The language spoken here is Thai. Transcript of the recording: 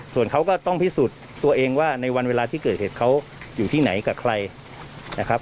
ส่วนเขาก็ต้องพิสูจน์ตัวเองว่าในวันเวลาที่เกิดเหตุเขาอยู่ที่ไหนกับใครนะครับ